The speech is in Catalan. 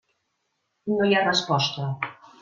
No hi ha resposta.